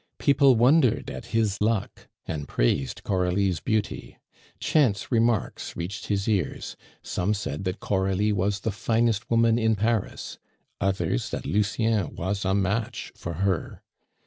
People wondered at his luck, and praised Coralie's beauty. Chance remarks reached his ears; some said that Coralie was the finest woman in Paris, others that Lucien was a match for her.